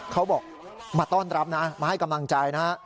เขาบอกมาต้อนรับนะมาให้กำลังใจนะฮะ